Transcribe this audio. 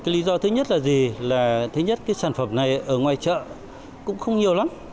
lý do thứ nhất là gì là thứ nhất cái sản phẩm này ở ngoài chợ cũng không nhiều lắm